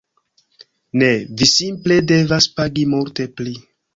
Ne, vi simple devas pagi multe pli